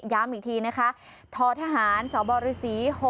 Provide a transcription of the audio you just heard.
ย้ำอีกทีนะคะททหารสบฤษ๖๖